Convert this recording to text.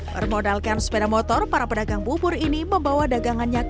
bermodalkan sepeda motor para pedagang bubur ini membawa kembali ke kampung lainnya